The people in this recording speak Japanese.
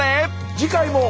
次回も。